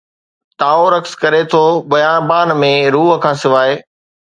تائو رقص ڪري ٿو بيابان ۾، روح کان سواءِ